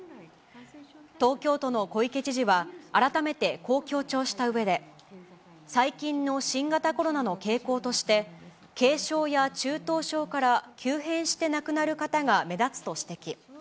東京都の小池知事は、改めてこう強調したうえで、最近の新型コロナの傾向として、軽症や中等症から急変して亡くなる方が目立つと指摘。